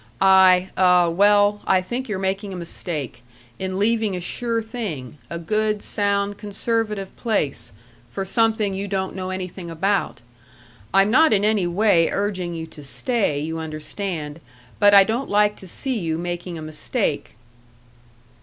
I, uh, well, I think you're making a mistake in leaving a sure thing, a good, sound, conservative place, for something you don't know anything about. I'm not in any way urging you to stay, you understand, but I don't like to see you making a mistake."